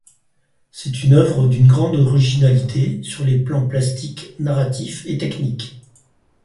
C'est une œuvre d'une grande originalité sur les plans plastique, narratif et technique.